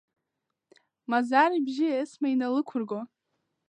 Мазар ибжьы Есма иналықәырго.